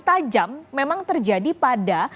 tajam memang terjadi pada